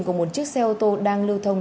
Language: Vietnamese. của một chiếc xe ô tô đang lưu thông